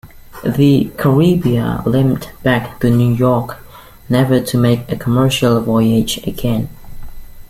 The "Caribia" limped back to New York, never to make a commercial voyage again.